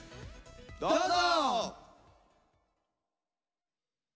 どうぞ！